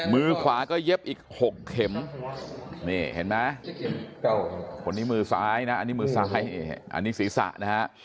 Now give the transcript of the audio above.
มือขวาก็เย็บอีก๖เข็มนี่เห็นไหมคนนี้มือซ้ายนะอันนี้มือซ้ายอันนี้ศีรษะนะฮะ